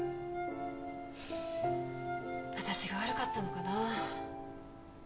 私が悪かったのかなあ